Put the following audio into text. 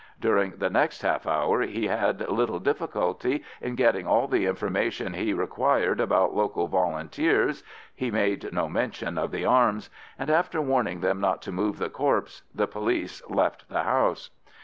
During the next half hour he had little difficulty in getting all the information he required about local Volunteers (he made no mention of the arms), and after warning them not to move the corpse, the police left the house.